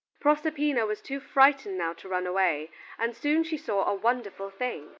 Proserpina was too frightened now to run away, and soon she saw a wonderful thing.